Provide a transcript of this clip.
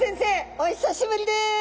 お久しぶりです！